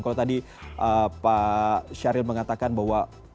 kalau tadi pak syaril mengatakan bahwa orang tua ini patut berhenti